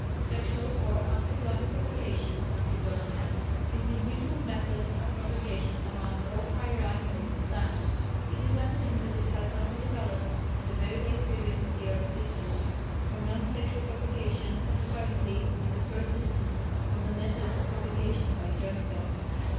Sexual or amphigonic propagation (Amphigonia) is the usual method of propagation among all higher animals and plants. It is evident that it has only developed at a very late period of the earth's history, from non sexual propagation, and apparently in the first instance from the method of propagation by germ cells....